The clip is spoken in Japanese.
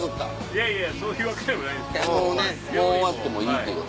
いやいやそういうわけではないです。